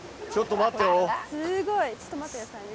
すごい、ちょっと待ってくださいね。